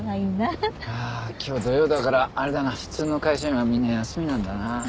ああ今日土曜だからあれだな普通の会社員はみんな休みなんだな。